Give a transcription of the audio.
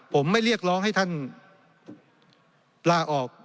ผมไม่เรียกร้องให้ท่านลาออก